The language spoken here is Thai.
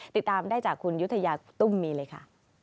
ติดตามได้จากคุณยุธยาตุ้มมีเลยค่ะ